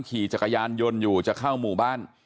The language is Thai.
ขี่จักรยานยนต์อยู่จะเข้าหมู่บ้าน